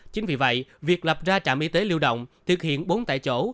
chính vì vậy việc lập ra trạm y tế lưu động thực hiện bốn tại chỗ